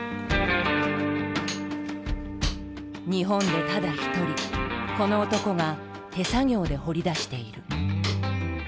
日本でただ一人この男が手作業で掘り出している。